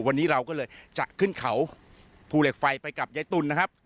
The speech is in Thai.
วันนี้เราก็เลยจะขึ้นเขาภูเหล็กไฟไปกับยายตุ๋นนะครับ